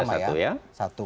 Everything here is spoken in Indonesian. kasih tanda satu ya